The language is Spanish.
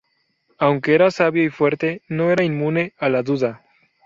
Aunque era sabio y fuerte, no era inmune a la duda.